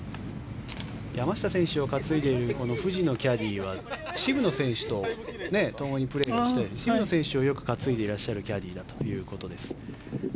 山下選手を担いでいる藤野キャディーは渋野選手とともにプレーをして渋野選手をよく担いでいらっしゃるキャディーだということです。